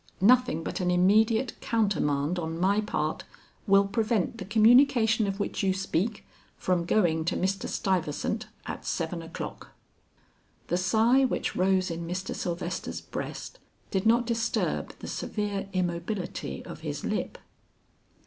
Nothing but an immediate countermand on my part, will prevent the communication of which you speak, from going to Mr. Stuyvesant at seven o'clock." The sigh which rose in Mr. Sylvester's breast did not disturb the severe immobility of his lip.